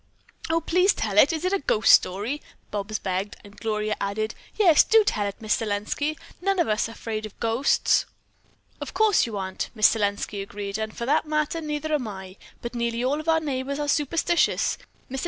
"Oh, please tell it! Is it a ghost story?" Bobs begged, and Gloria added, "Yes, do tell it, Miss Selenski. We are none of us afraid of ghosts." "Of course you aren't," Miss Selenski agreed, "and, for that matter, neither am I. But nearly all of our neighbors are superstitious. Mr.